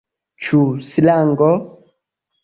Ĉu slango?